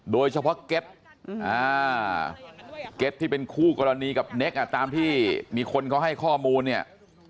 โดยเฉพาะเก็ตเก็ตที่เป็นคู่กรณีกับเน็กตามที่มีคนเขาให้ข้อมูลเนี่ย